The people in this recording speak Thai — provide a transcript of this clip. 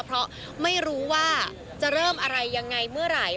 เพราะไม่รู้ว่าจะเริ่มอะไรยังไงเมื่อไหร่